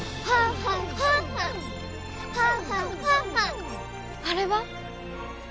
あれは？